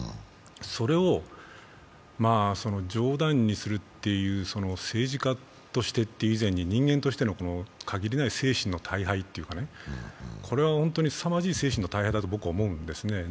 それを冗談にするという政治家としてという以前に人間としてのかぎりない精神の頽廃というかこれは本当にすさまじい精神の頽廃だと思うんですね。